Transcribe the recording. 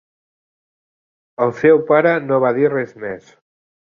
El seu para no va dir res més.